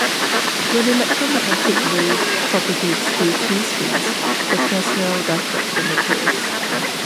When electromagnetic wave propagates through free-space, the Fresnel diffraction occurs.